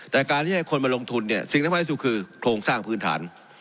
แต่การที่ให้คนมาลงทุนเนี่ยสิ่งสำคัญที่สุดคือโครงสร้างพื้นฐาน